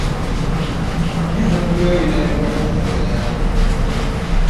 Nniza kugula wa ebitabo ebikwata ku nkuza y'abaana?